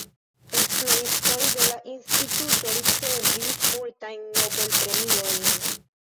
Esploristoj de la Instituto ricevis multajn Nobel-premiojn.